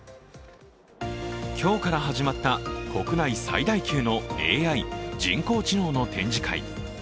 今日から始まった国内最大級のＡＩ＝人工知能の展示会。